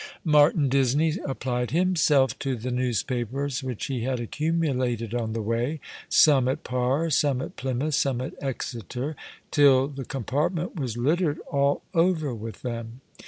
Martin Disney applied himself to the newspapers which ho had accumulated on the way — some at Par, some at Ply mouth, some at Exeter, till the compartment was littered all over with them.